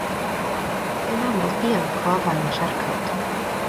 Mae'n anodd dianc o afael y siarcod.